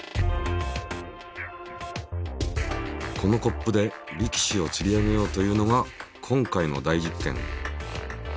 このコップで力士を吊り上げようというのが今回の大実験。